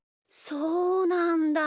そうなんだ。